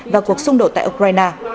và cuộc xung đột tại ukraine